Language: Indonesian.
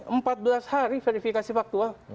empat belas hari verifikasi faktual